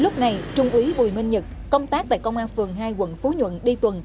công an quận phú nhuận tp hcm công tác tại công an phường hai quận phú nhuận đi tuần